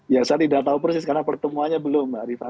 ya saya tidak tahu persis karena pertemuannya belum mbak rifana